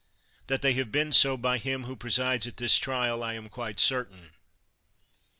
That they have been so by him who presides at this trial, I am quite certain.